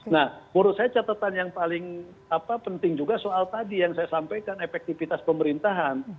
nah menurut saya catatan yang paling penting juga soal tadi yang saya sampaikan efektivitas pemerintahan